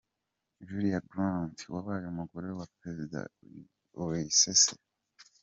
Julia Grant wabaye umugore wa perezida Ulysses S.